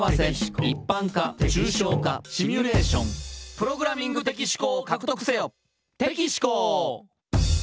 「プログラミング的思考を獲得せよ」